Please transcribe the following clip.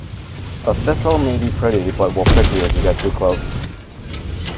A thistle may be pretty but will prick you if you get too close.